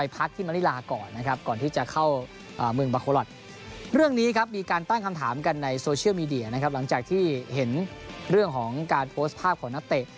เพื่อที่เห็นเรื่องของการโพสภาพของนัตเต็ก